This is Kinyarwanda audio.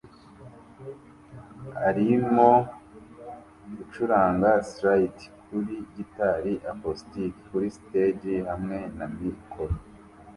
arimo gucuranga slide kuri gitari acoustic kuri stage hamwe na mikoro